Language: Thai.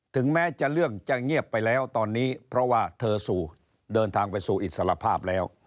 ถึงแม้จะเรื่องจะเงียบไปแล้วตอนนี้เพราะว่าเธอสู่เดินทางไปสู่อิสระภาพแล้ว